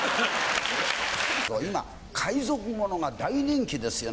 今海賊ものが大人気ですよね